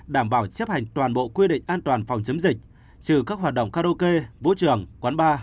đảm bảo chấp hành toàn bộ quy định an toàn phòng chống dịch trừ các hoạt động karaoke vũ trường quán bar